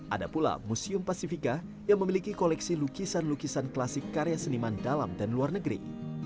ada pula museum pasifika yang memiliki koleksi lukisan lukisan klasik karya seniman dalam dan luar negeri